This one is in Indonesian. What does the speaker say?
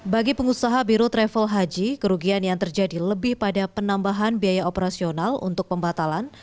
bagi pengusaha biro travel haji kerugian yang terjadi lebih pada penambahan biaya operasional untuk pembatalan